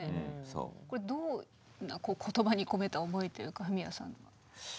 これどう言葉に込めた思いというかフミヤさんの。